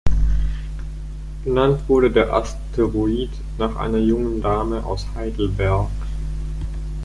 Benannt wurde der Asteroid nach einer jungen Dame aus Heidelberg.